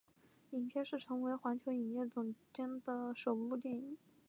影片是成为环球影业总监后的首部电影。